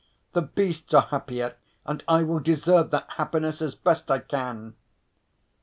The beasts are happier and I will deserve that happiness as best I can."